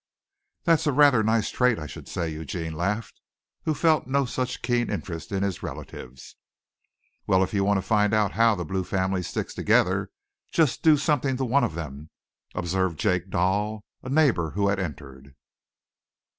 "That's a rather nice trait, I should say," laughed Eugene, who felt no such keen interest in his relatives. "Well, if you want to find out how the Blue family stick together just do something to one of them," observed Jake Doll, a neighbor who had entered.